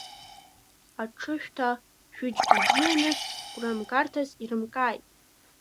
Аҿышәҭа шәыџьгәа ибзианы, гәрамгарҭас ирымкааит.